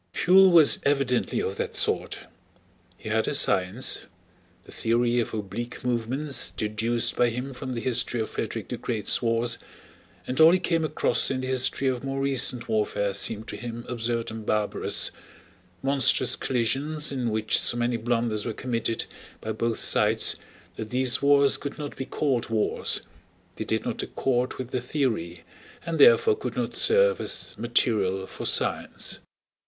Pfuel was evidently of that sort. He had a science—the theory of oblique movements deduced by him from the history of Frederick the Great's wars, and all he came across in the history of more recent warfare seemed to him absurd and barbarous—monstrous collisions in which so many blunders were committed by both sides that these wars could not be called wars, they did not accord with the theory, and therefore could not serve as material for science.